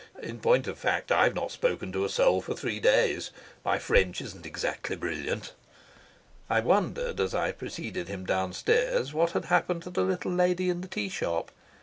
In point of fact I've not spoken to a soul for three days. My French isn't exactly brilliant." I wondered as I preceded him downstairs what had happened to the little lady in the tea shop.